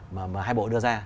mà hai bộ đưa ra